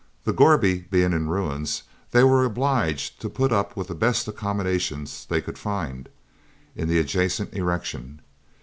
The gourbi being in ruins, they were obliged to put up with the best accommodation they could find in the adjacent erection.